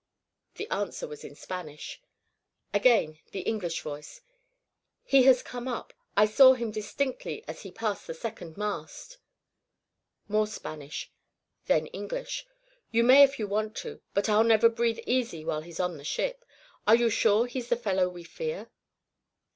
The answer was in Spanish. Again the English voice: "He has come up. I saw him distinctly as he passed the second mast." More Spanish; then English: "You may if you want to, but I'll never breathe easy while he's on the ship. Are you sure he's the fellow we fear?"